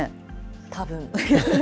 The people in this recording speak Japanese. たぶん。